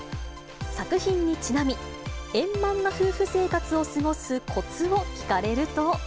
作品にちなみ、円満な夫婦生活を過ごすこつを聞かれると。